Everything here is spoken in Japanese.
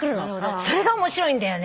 それが面白いんだよね。